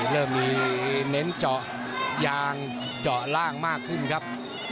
เริ่มมีเน้นเจาะยางเจาะล่างมากขึ้นครับ